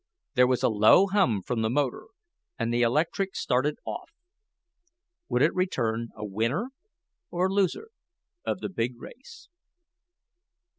There was a low hum from the motor and the electric started off. Would it return a winner or loser of the big race?